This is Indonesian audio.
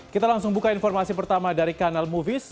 kita langsung buka informasi pertama dari kanal movies